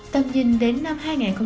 tầm nhìn đến năm hai nghìn hai mươi năm